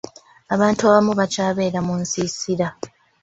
Abantu abamu bakyabeera mu nsiisira